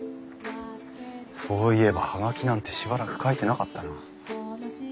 そういえば葉書なんてしばらく書いてなかったな。